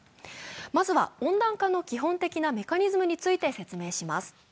まずは温暖化の基本的なメカニズムについて説明します。